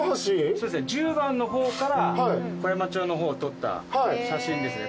そうですね十番の方から小山町の方を撮った写真ですね